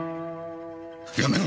やめろ！